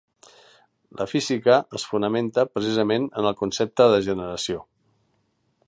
La física es fonamenta, precisament, en el concepte de generació.